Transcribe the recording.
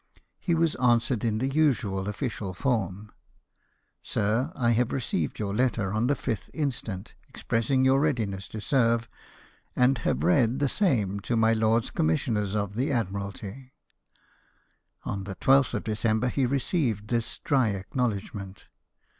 He was answered in the usual official form :" Sir, I have received your letter of the 5th instant, expressing your readiness to serve, and have read the same to my Lords Commissioners of the APPOINTMENT TO THE ''AGAMEMNON.'' 53 Admiralty." On the 12th of December he received this dry acknowledgment.